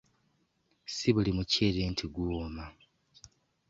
Si buli muceere nti guwooma.